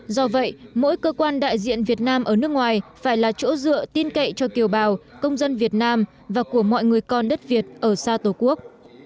do vậy mỗi cơ quan đại diện việt nam ở nước ngoài phải là chỗ dựa tin cậy cho kiều bào công dân việt nam và của mọi người con đất việt ở xa tổ quốc